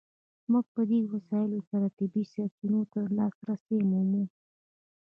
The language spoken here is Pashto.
موږ په دې وسایلو سره طبیعي سرچینو ته لاسرسی مومو.